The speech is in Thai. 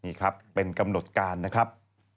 นี่ครับเป็นกำหนดการนะครับ